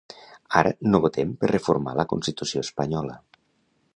Ara no votem per reformar la constitució espanyola.